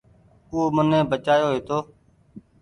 مين اوني بچآيو هيتو۔